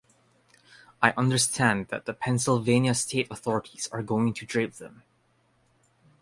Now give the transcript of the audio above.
I understand that the Pennsylvania state authorities are going to drape them.